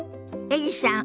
エリさん